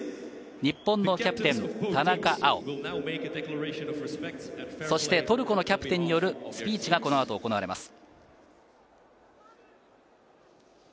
日本のキャプテン・田中碧、そしてトルコのキャプテンによるスピーチが、この後、行われます。